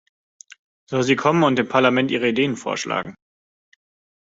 Soll sie kommen und dem Parlament ihre Ideen vorschlagen.